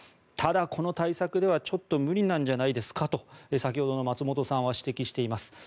ただ、この対策では、ちょっと無理なんじゃないですかと先ほどの松本さんは指摘しています。